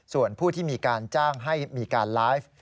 ส่วนผู้ที่มีการจ้างให้มีการไลฟ์